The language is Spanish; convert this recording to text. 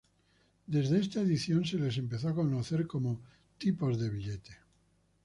Desde esta edición se les empezó a conocer como Tipos de Billete.